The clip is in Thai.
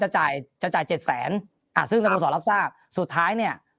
๗๐จะจ่าย๗แสนซึ่งสมมุติสอบรับทราบสุดท้ายเนี่ย